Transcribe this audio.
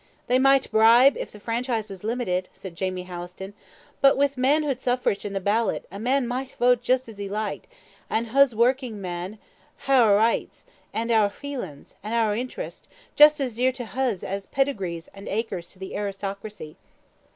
"They micht bribe, if the franchise was limited," said Jamie Howison, "but with manhood suffrage an' the ballot, a man micht vote just as he liked, and huz working men hae oor richts, an' oor feelins, an' oor interests, just as dear to huz as pedigrees an' acres to the aristocracy.